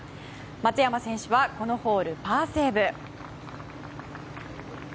松山選手はこのホール、パーセーブ。